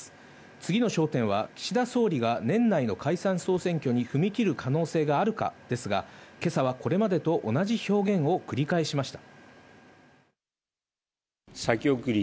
次の焦点は、岸田総理が年内の解散総選挙に踏み切る可能性があるかですが、今朝はこれまでと同じ表現を繰り返しました。